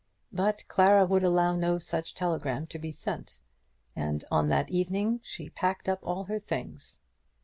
But Clara would allow no such telegram to be sent, and on that evening she packed up all her things.